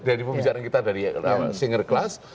dari pembicaraan kita single class